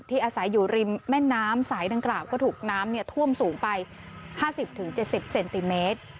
อาศัยอยู่ริมแม่น้ำสายดังกล่าวก็ถูกน้ำท่วมสูงไป๕๐๗๐เซนติเมตร